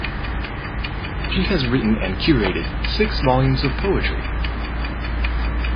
She has written and curated six volumes of poetry.